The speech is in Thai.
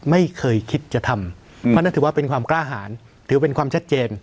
ไม่เคยคิดจะทำเพราะนั่นถือว่าเป็นความกล้าหารถือเป็นความชัดเจน